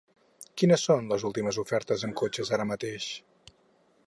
Quines són les últimes ofertes en cotxes ara mateix?